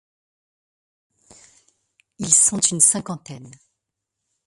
Ils sont une cinquantaine.